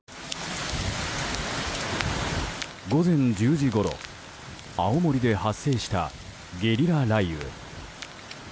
午前１０時ごろ青森で発生したゲリラ雷雨。